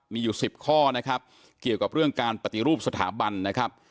มีอยู่๑๐ข้อนะครับเกี่ยวกับเรื่องการปฏิรูปสถาบันนะครับ